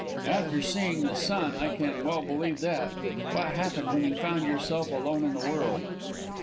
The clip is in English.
"After seeing the son I can well believe that. What happened when you found yourself alone in the world?"